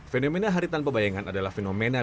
fenomena hari tanpa bayangan adalah fenomena